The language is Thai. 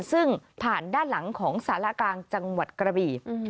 ซึ่งผ่านด้านหลังของสารกลางจังหวัดกระบี